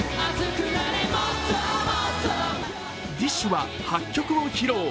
ＤＩＳＨ／／は８曲を披露。